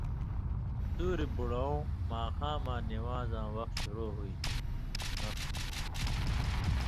سُوریۡ بُڑؤں ماخاماں نِوان٘زاں وخ شُروع ہُوئیں نخ تھی۔